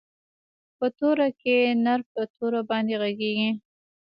په توره کښې نر په توره باندې ږغېږي.